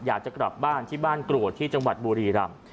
อยากจะกลับบ้านที่บ้านกรวดที่จังหวัดบุรีรำ